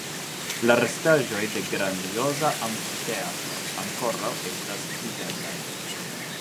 La restaĵoj de grandioza amfiteatro ankoraŭ estas videblaj.